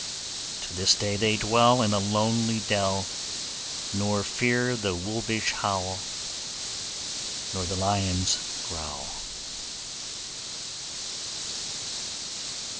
To this day they dwell In a lonely dell, Nor fear the wolvish howl Nor the lion's growl.